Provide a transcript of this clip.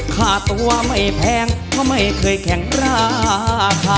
ค่าตัวไม่แพงเขาไม่เคยแข็งราคา